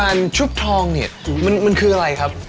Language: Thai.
ร้านชุบทองเนี่ยมันมันคืออะไรครับ